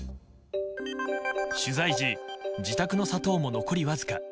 取材時、自宅の砂糖も残りわずか。